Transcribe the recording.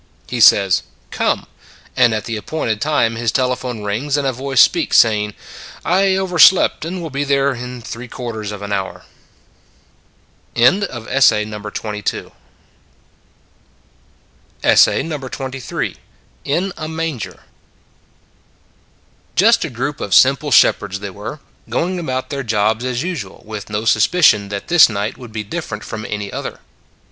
He says " Come," and at the appointed time his telephone rings and a voice speaks saying: " I overslept and will be there in about three quarters of an hour "" IN A MANGER " JUST a group of simple shepherds they were: going about their jobs as usual, with no suspicion that this night would be different from any other.